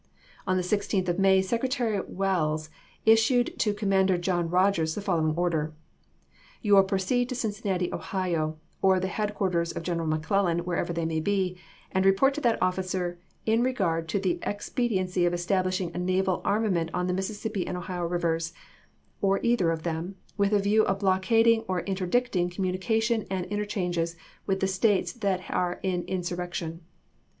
On the 16th of May Secretary Welles issued to Com mander John Rodgers the following order :" You will proceed to Cincinnati, Ohio, or the headquar ters of General McClellan, wherever they may be, and report to that oflScer in regard to the expedi ency of establishing a naval armament on the Mis sissippi and Ohio rivers, or either of them, with a view of blockading or interdicting communication and interchanges with the States that are in insur rection."